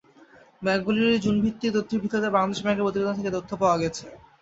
ব্যাংকগুলোর জুনভিত্তিক তথ্যের ভিত্তিতে বাংলাদেশ ব্যাংকের প্রতিবেদন থেকে এ তথ্য পাওয়া গেছে।